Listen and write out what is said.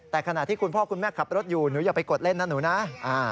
แต่ขณะที่คุณพ่อคุณแม่ขับรถอยู่หนูอย่าไปกดเล่นนะหนูนะ